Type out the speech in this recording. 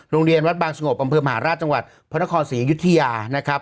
โรงเรียนวัดบางสงบอำเภอมหาราชจังหวัดพระนครศรีอยุธยานะครับ